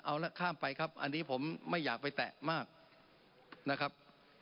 เอาละข้ามไปครับอันนี้ผมไม่อยากไปแตะมากนะครับ